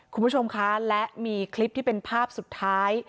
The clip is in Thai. คุณผู้ชมคะและมีคลิปที่เป็นภาพสุดท้าย